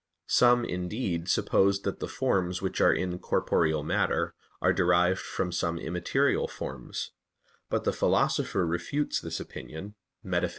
Some, indeed, supposed that the forms which are in corporeal matter are derived from some immaterial forms; but the Philosopher refutes this opinion (Metaph.